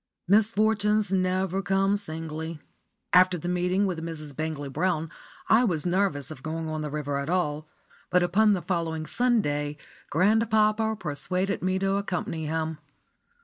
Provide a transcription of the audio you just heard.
*_ Misfortunes never come singly. After the meeting with Mrs. Bangley Brown I was nervous of going on the river at all, but upon the following Sunday grandpapa persuaded me to accompany him.